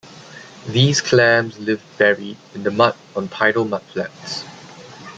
These clams live buried in the mud on tidal mudflats.